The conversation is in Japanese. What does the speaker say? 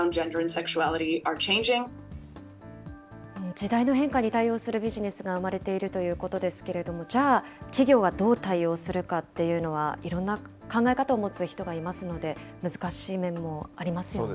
時代の変化に対応するビジネスが生まれているということですけれども、じゃあ、企業はどう対応するかっていうのは、いろんな考え方を持つ人がいますので、難しい面もありますよね。